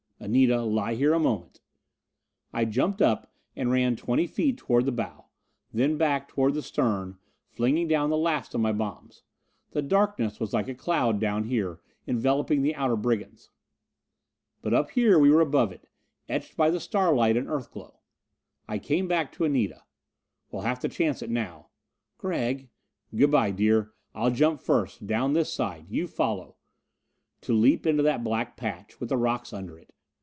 "Anita, lie here a moment." I jumped up and ran twenty feet toward the bow; then back, toward the stern, flinging down the last of my bombs. The darkness was like a cloud down there, enveloping the outer brigands. But up here we were above it, etched by the starlight and Earthglow. I came back to Anita. "We'll have to chance it now." "Gregg...." "Good by, dear. I'll jump first, down this side you follow." To leap into that black patch, with the rocks under it....